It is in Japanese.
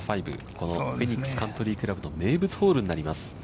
このフェニックスカントリークラブの名物ホールになります。